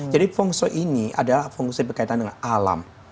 jadi feng shui ini adalah feng shui berkaitan dengan alam